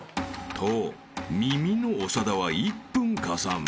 ［と耳の長田は１分加算］